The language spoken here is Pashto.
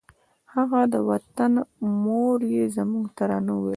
هغه د وطنه مور یې زموږ ترانه وویله